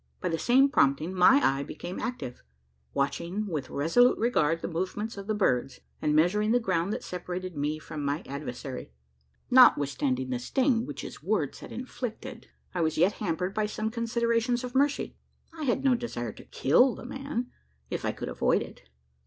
By the same prompting, my eye became active watching with resolute regard the movements of the birds, and measuring the ground that separated me from my adversary. Notwithstanding the sting which his words had inflicted, I was yet hampered by some considerations of mercy. I had no desire to kill the man, if I could avoid it.